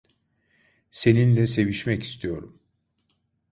Seninle sevişmek istiyorum.